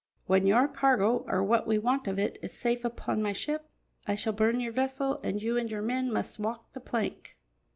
When your cargo, or what we want of it, is safe upon my ship, I shall burn your vessel, and you and your men must walk the plank."